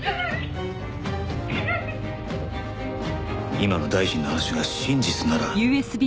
今の大臣の話が真実なら。